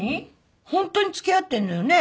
ホントに付き合ってんのよね？